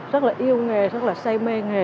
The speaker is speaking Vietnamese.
rất là yêu nghề rất là say mê nghề